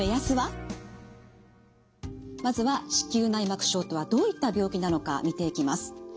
まずは子宮内膜症とはどういった病気なのか見ていきます。